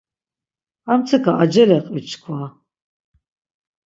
Armtsika acele qvi çkva!